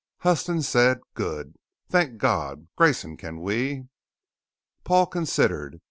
Huston said "Good. Thank God. Grayson, can we ?" Paul considered.